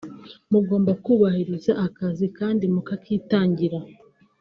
mugomba kubahiriza akazi kandi mukakitangira